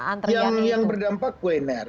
antrian itu yang berdampak kuliner